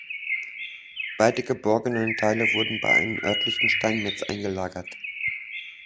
Beide geborgenen Teile wurden bei einem örtlichen Steinmetz eingelagert.